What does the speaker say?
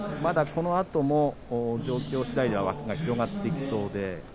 このあとも状況しだいでは枠が広がっていきそうです。